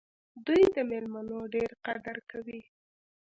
دوی د میلمنو ډېر قدر کوي.